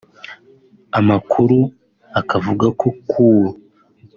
Amakuru akavuga ko Col